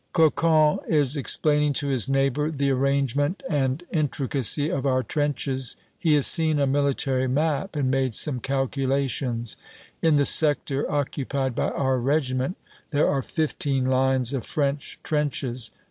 Cocon is explaining to his neighbor the arrangement and intricacy of our trenches. He has seen a military map and made some calculations. In the sector occupied by our regiment there are fifteen lines of French trenches.